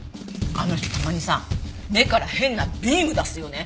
あの人たまにさ目から変なビーム出すよね。